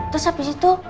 terus abis itu